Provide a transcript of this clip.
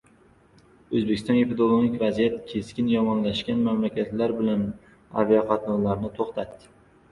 O‘zbekiston epidemiologik vaziyat keskin yomonlashgan mamlakatlar bilan aviaqatnovlarni to‘xtatdi